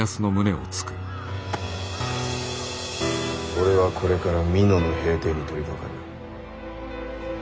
俺はこれから美濃の平定に取りかかる。